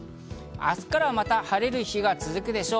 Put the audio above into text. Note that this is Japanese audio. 明日からまた晴れる日が続くでしょう。